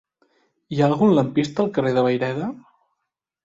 Hi ha algun lampista al carrer de Vayreda?